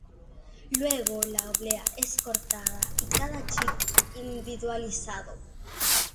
Luego la oblea es cortada y cada chip individualizado.